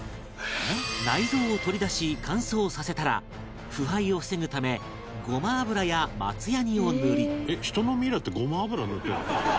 内臓を取り出し、乾燥させたら腐敗を防ぐためごま油やマツヤニを塗り富澤：人のミイラってごま油、塗ってるの？